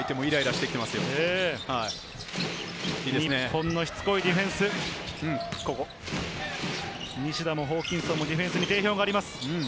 日本のしつこいディフェンス、西田もホーキンソンもディフェンスに定評があります。